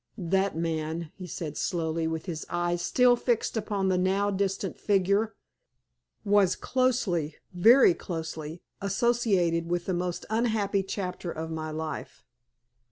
"That man," he said, slowly, with his eyes still fixed upon the now distant figure, "was closely, very closely, associated with the most unhappy chapter of my life.